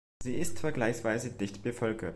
Sie ist vergleichsweise dicht bevölkert.